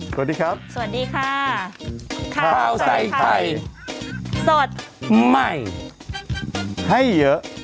สวัสดีครับสวัสดีค่ะข้าวใส่ไข่สดใหม่ให้เยอะ